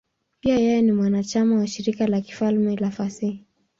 Pia yeye ni mwanachama wa Shirika la Kifalme la Fasihi.